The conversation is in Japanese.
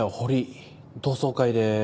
同窓会で。